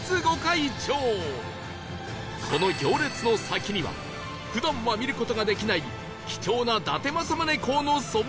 その行列の先には普段は見る事ができない貴重な伊達政宗公の尊像が